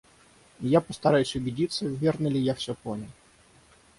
Я постараюсь убедиться, верно ли я все понял.